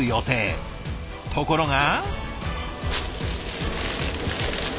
ところが。